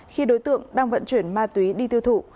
khi đối tượng đang vận chuyển ma túy đi tiêu thụ